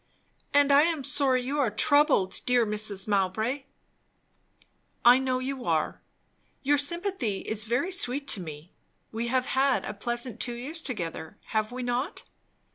"And I am sorry you are troubled, dear Mrs. Mowbray!" "I know you are. Your sympathy is very sweet to me. We have had a pleasant two years together, have we not?"